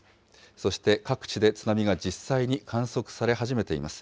そして各地で津波が実際に観測され始めています。